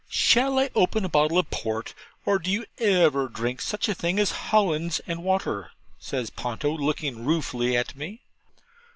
'Shall I open a bottle of port, or do you ever drink such a thing as Hollands and water?' says Ponto, looking ruefully at me.